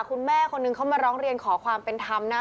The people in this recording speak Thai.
คุณแม่คนนึงเขามาร้องเรียนขอความเป็นธรรมนะ